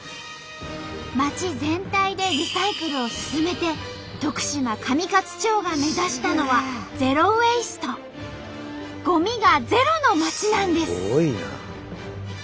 町全体でリサイクルを進めて徳島上勝町が目指したのは「ゼロ・ウェイスト」ゴミがゼロの町なんです。